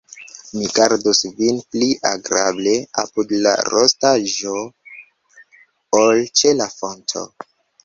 Mi gardus vin pli agrable apud la rostaĵo, ol ĉe la fonto.